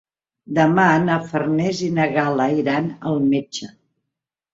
Demà na Farners i na Gal·la iran al metge.